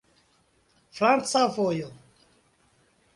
Franca vojo.